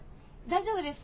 大丈夫です